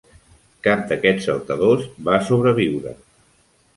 Cap d'aquests saltadors va sobreviure.